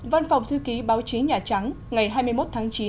văn phòng thư ký báo chí nhà trắng ngày hai mươi một tháng chín